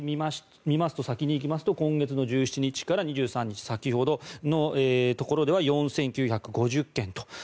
見ますと、今月１７日から２３日先ほどのところでは４９５０件と。